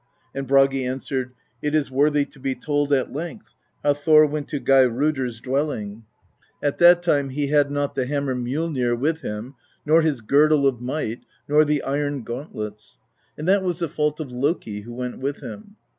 And Bragi answered: "It is worthy to be told at length, how Thor went to Geirrodr's dwelling. At that time he had not the hammer Mjollnir with him, nor his Girdle of Might, nor the iron gauntlets: and that was the fault of Loki, who went with him.